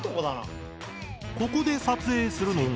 ここで撮影するのが。